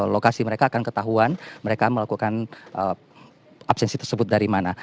lokasi mereka akan ketahuan mereka melakukan absensi tersebut dari mana